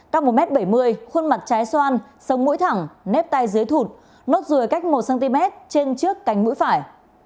cao một m bảy mươi khuôn mặt trái xoan sống mũi thẳng nếp tay dưới thụt nốt ruồi cách một cm trên trước cánh mũi phải